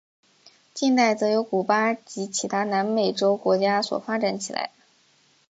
近代则由古巴及其他南美洲国家所发展起来。